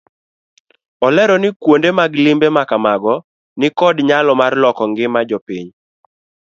Olero ni kuonde limbe makamago nikod nyalo mar loko ngima jopiny.